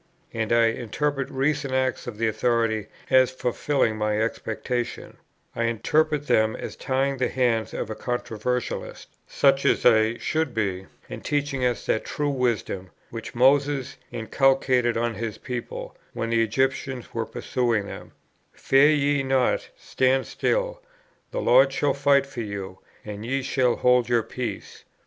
And I interpret recent acts of that authority as fulfilling my expectation; I interpret them as tying the hands of a controversialist, such as I should be, and teaching us that true wisdom, which Moses inculcated on his people, when the Egyptians were pursuing them, "Fear ye not, stand still; the Lord shall fight for you, and ye shall hold your peace."